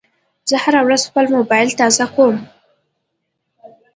زه هره ورځ خپل موبایل تازه کوم.